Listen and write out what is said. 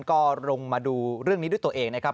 ก็ลงมาดูเรื่องนี้ด้วยตัวเองนะครับ